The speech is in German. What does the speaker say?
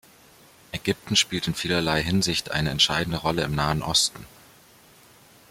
Ägypten spielt in vielerlei Hinsicht eine entscheidende Rolle im Nahen Osten.